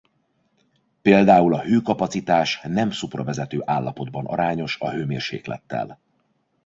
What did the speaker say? Például a hőkapacitás nem-szupravezető állapotban arányos a hőmérséklettel.